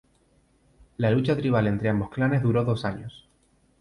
La lucha tribal entre ambos clanes duró dos años.